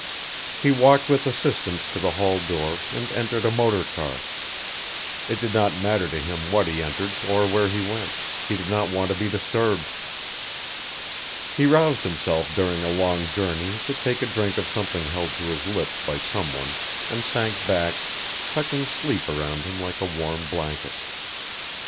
He walked with assistance to the hall door and entered a motor car, it did not matter to him what he entered or where he went, he did not want to be disturbed. He roused himself during a long journey to take a drink of something held to his lips by someone, and sank back, tucking sleep around him like a warm blanket.